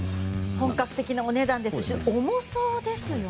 本格的なお値段ですし重そうですね。